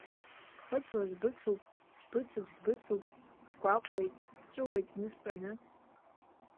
Ԥхыӡла сбыцуп, сбыцуп, сбыцуп, сгәаҟуеит, сҵәыуоит зны стәаны.